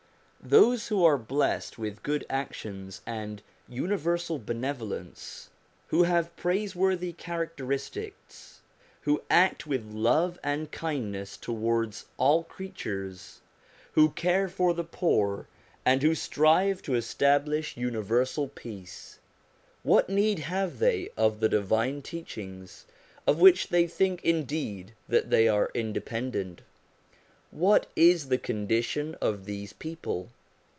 Those who are blessed with good actions and universal benevolence, who have praiseworthy characteristics, who act with love and kindness towards all creatures, who care for the poor, and who strive to establish universal peace what need have they of the divine teachings, of which they think indeed that they are independent ? What is the condition of these people